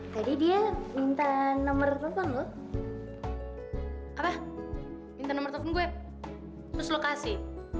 tadi dia minta nomor apa lu apa minta nomor telepon gue terus lokasi